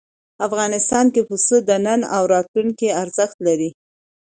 افغانستان کې پسه د نن او راتلونکي ارزښت لري.